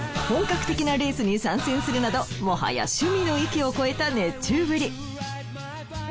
本格的なレースに参戦するなどもはや趣味の域を超えた熱中ぶり。